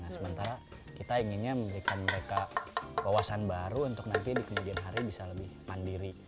nah sementara kita inginnya memberikan mereka wawasan baru untuk nanti di kemudian hari bisa lebih mandiri